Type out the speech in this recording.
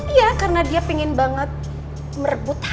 iya karena dia pengen banget merebut hal ini